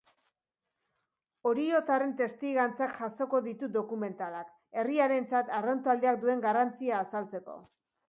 Oriotarren testigantzak jasoko ditu dokumentalak, herriarentzat arraun taldeak duen garrantzia azaltzeko.